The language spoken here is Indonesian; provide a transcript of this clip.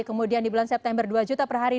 kemudian di bulan september dua juta per hari